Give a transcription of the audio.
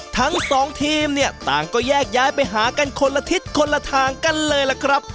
ทั้งสองทีมเนี่ยต่างก็แยกย้ายไปหากันคนละทิศคนละทางกันเลยล่ะครับ